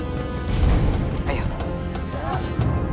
jangan tahu ah